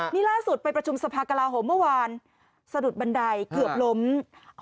นี่ล่าสุดไปประชุมสภากลาโหมเมื่อวานสะดุดบันไดเกือบล้ม